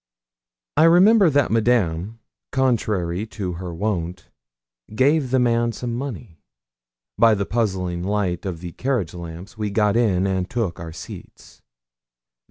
I remember that Madame, contrary to her wont, gave the man some money. By the puzzling light of the carriage lamps we got in and took our seats.